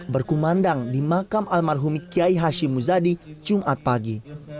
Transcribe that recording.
berkumandang di makam almarhum kiai hashim muzadi jumat pagi